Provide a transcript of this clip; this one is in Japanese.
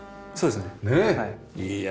そうですねはい。